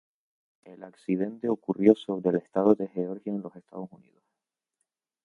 El accidente ocurrió sobre el estado de Georgia en los Estados Unidos.